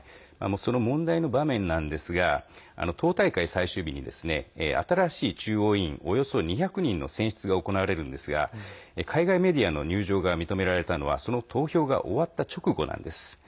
その問題の場面なんですが党大会最終日に新しい中央委員およそ２００人の選出が行われるんですが海外メディアの入場が認められたのはその投票が終わった直後なんです。